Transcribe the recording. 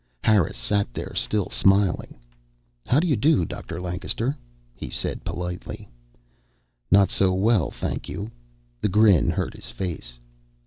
Harris sat there, still smiling. "How do you do, Dr. Lancaster," he said politely. "Not so well, thank you." The grin hurt his face.